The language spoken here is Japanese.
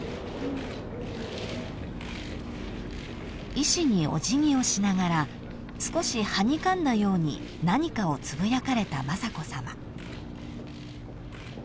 ［医師におじぎをしながら少しはにかんだように何かをつぶやかれた雅子さま］